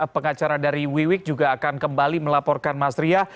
pengacara dari wiwik juga akan kembali melaporkan mas ria